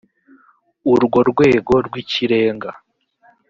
urwo rwego rw’ikirenga